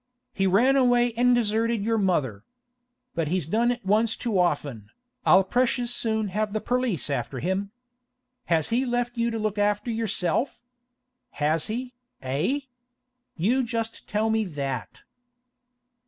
He ran away an' deserted your mother. But he's done it once too often, I'll precious soon have the perlice after him! Has he left you to look after yourself? Has he, eh? You just tell me that!